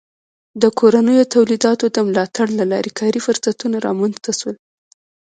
د کورنیو تولیداتو د ملاتړ له لارې کاري فرصتونه رامنځته سول.